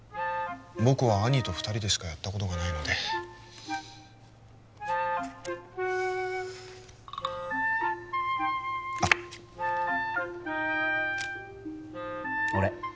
僕は兄と二人でしかやったことがないのであっ俺